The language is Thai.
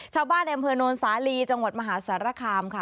ชาวบ้านในอำเภอโนนสาลีจังหวัดมหาสารคามค่ะ